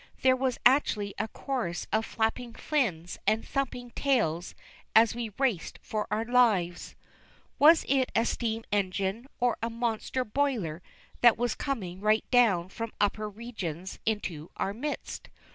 There was actually a chorus of flapping fins and thumping tails as we raced for our lives. Was it a steam engine or a monster boiler that was coming right down from upper regions into our midst?